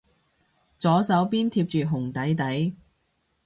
左手邊貼住紅底底